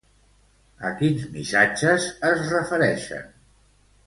A quins missatges es refereixen?